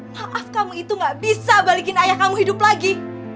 maaf kamu itu gak bisa balikin ayah kamu hidup lagi